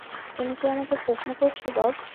তুমি কি আমাকে প্রশ্ন করছো, বব?